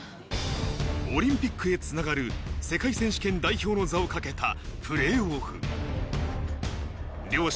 オリンピックへつながる世界選手権代表の座をかけたプレーオフ。